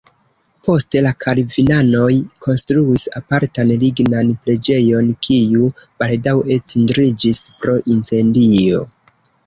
Poste la kalvinanoj konstruis apartan lignan preĝejon, kiu baldaŭe cindriĝis pro incendio.